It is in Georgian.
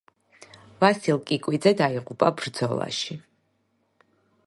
ვასილ კიკვიძე დაიღუპა ბრძოლაში.